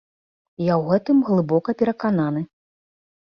Я ў гэтым глыбока перакананы.